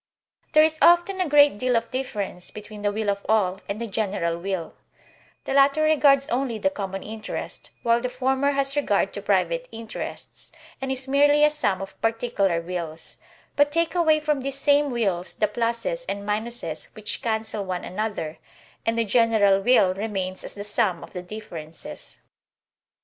There is often a great deal of difference between the will of all and the general will; the latter regards only the common interest, while the former has regard to private interests, and is merely a sum of particular wills; but take away from these same wills the pluses and minuses which cancel one another, and the general will remains as the sum of the differences.